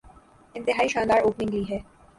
انتہائی شاندار اوپننگ لی ہے۔